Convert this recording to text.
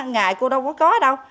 ngày cô đâu có có đâu